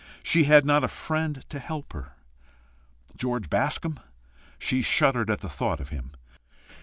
She had not a friend to help her. George Bascombe? she shuddered at the thought of him.